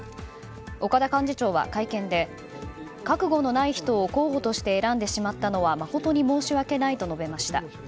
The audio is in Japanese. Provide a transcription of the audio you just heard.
岡田幹事長は会見で覚悟のない人を候補として選んでしまったのは誠に申し訳ないと述べました。